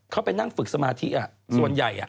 เขาไปนั่งฝึกสมาธิส่วนใหญ่